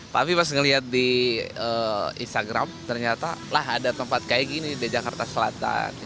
tapi pas ngeliat di instagram ternyata lah ada tempat kayak gini di jakarta selatan